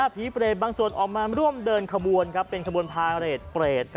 ผีเปรตบางส่วนออกมาร่วมเดินขบวนเป็นขบวนพาเรทเปรต